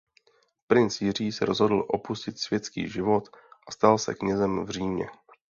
Princ Jiří se rozhodl opustit světský život a stal se knězem v Římě.